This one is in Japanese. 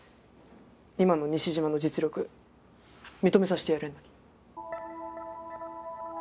今の西島の実力認めさせてやれんのに。